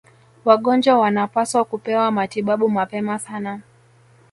Wagonjwa wanapaswa kupewa matibabu mapema sana